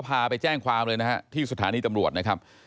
พาไปแจ้งความเลยนะฮะที่สถานีตำรวจนะครับ